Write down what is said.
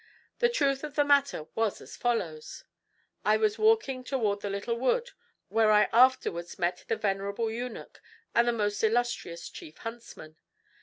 The truth of the matter was as follows: I was walking toward the little wood, where I afterwards met the venerable eunuch, and the most illustrious chief huntsman.